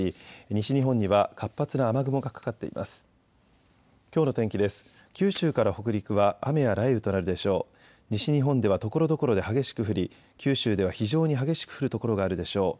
西日本ではところどころで激しく降り九州では非常に激しく降る所があるでしょう。